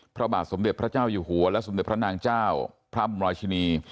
พระบาทสมเด็จพระเจ้าอยู่หัวและสมเด็จพระนางเจ้าพระอำราชินี